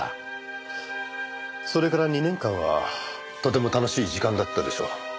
それから２年間はとても楽しい時間だったでしょう。